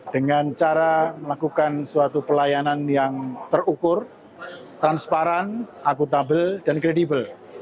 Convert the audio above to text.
dengan cara melakukan suatu pelayanan yang terukur transparan akutabel dan kredibel